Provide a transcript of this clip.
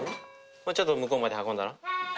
もうちょっと向こうまで運んだら？